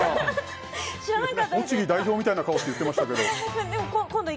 栃木代表みたいな顔して言ってましたけど。